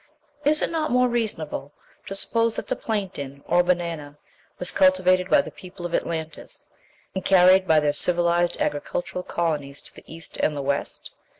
Is it not more reasonable to suppose that the plantain, or banana, was cultivated by the people of Atlantis, and carried by their civilized agricultural colonies to the east and the west?